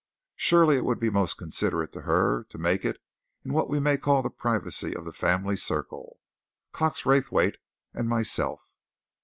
Surely, it would be most considerate to her to make it in what we may call the privacy of the family circle, Cox Raythwaite and myself."